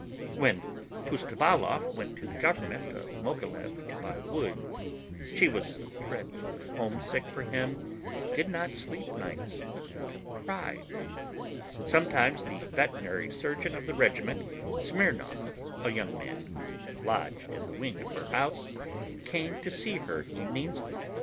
When Pustovalov went to the government of Mogilev to buy wood, she was dreadfully homesick for him, did not sleep nights, and cried. Sometimes the veterinary surgeon of the regiment, Smirnov, a young man who lodged in the wing of her house, came to see her evenings.